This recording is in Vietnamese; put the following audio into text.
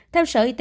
theo sở y tế